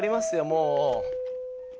もう。